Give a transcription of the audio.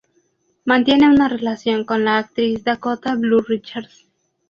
Mantiene una relación con la actriz Dakota Blue Richards.